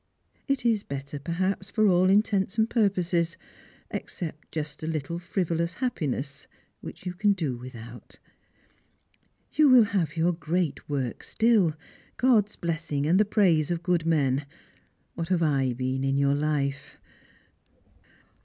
It is better, perhaps, for all intents and purposes, except just a little frivolous happi ness, which you can do without. You will have your great work still ; God's blessing, and the praise of good men. What have I been in your life?